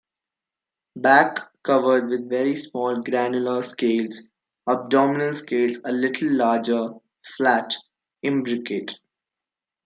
Back covered with very small granular scales, abdominal scales a little larger, flat, imbricate.